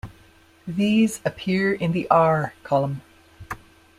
These appear in the 'r' column.